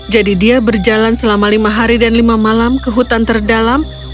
jadi dia berjalan selama lima hari dan lima malam ke hutan terdalam